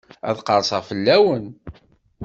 Ad qerseɣ fell-awen.